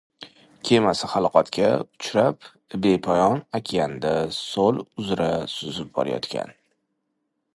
Kemasi halokatga uchrab, bepoyon okeanda sol uzra suzib borayotgan